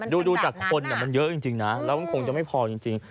ดูจากคนมันเยอะจริงนะแล้วมันคงจะไม่พอจริง